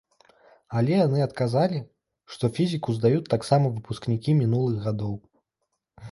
Але яны адказалі, што фізіку здаюць таксама выпускнікі мінулых гадоў.